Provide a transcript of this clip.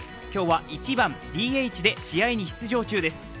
今日は１番ＤＨで試合に出場中です。